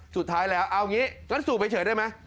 สุดท้ายแล้วเอานี้น่ะสู่ไปเฉยใช่ไหม